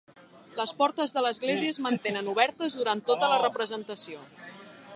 Les portes de l'església es mantenen obertes durant tota la representació.